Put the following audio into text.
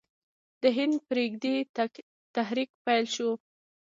د هند پریږدئ تحریک پیل شو.